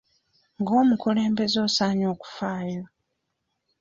Ng'omukulembeze osaanye okufaayo.